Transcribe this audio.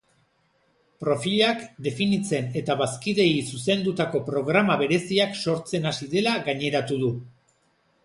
Profilak definitzen eta bazkideei zuzendutako programa bereziak sortzen hasi dela gaineratu du.